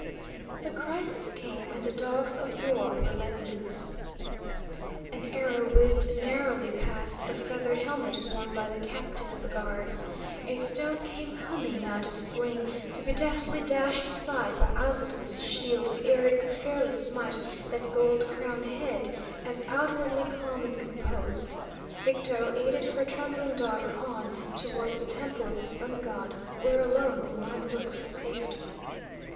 The crisis came, and the dogs of war were let loose. An arrow whizzed narrowly past the feathered helmet worn by the captain of the guards. A stone came humming out of sling, to be deftly dashed aside by Aztotl's shield ere it could fairly smite that gold crowned head as, outwardly calm and composed, Victo aided her trembling daughter on towards the Temple of the Sun God, where alone they might look for safety.